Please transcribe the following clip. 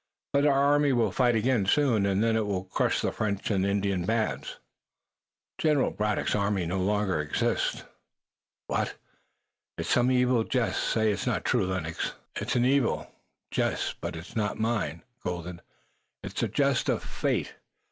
But our army will fight again soon, and then it will crush the French and Indian bands!" "General Braddock's army exists no longer." "What? It's some evil jest. Say it's not true, Lennox!" "It's an evil jest, but it's not mine, Colden. It's the jest of fate.